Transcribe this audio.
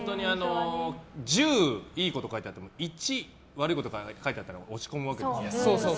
１０いいこと書いてあっても１悪いこと書いてあったら落ち込みますよね。